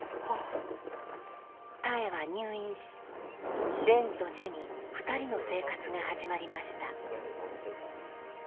たえは入院し蓮とジュニ２人の生活が始まりました